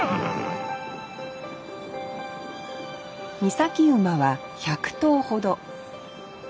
岬馬は１００頭ほど。